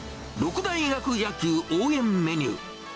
六大学野球応援メニュー。